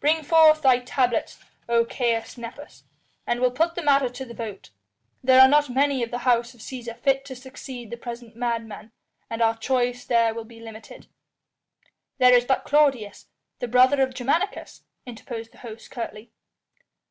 Bring forth thy tablets, O Caius Nepos, and we'll put the matter to the vote. There are not many of the House of Cæsar fit to succeed the present madman, and our choice there will be limited." "There is but Claudius, the brother of Germanicus," interposed the host curtly.